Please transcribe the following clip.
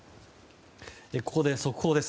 ここで速報です。